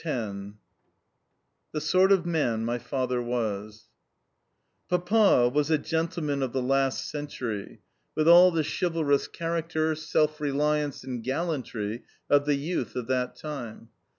X THE SORT OF MAN MY FATHER WAS Papa was a gentleman of the last century, with all the chivalrous character, self reliance, and gallantry of the youth of that time.